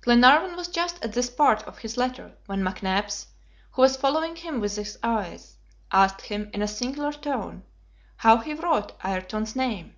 Glenarvan was just at this part of his letter, when McNabbs, who was following him with his eyes, asked him in a singular tone, how he wrote Ayrton's name.